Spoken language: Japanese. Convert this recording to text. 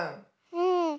うん。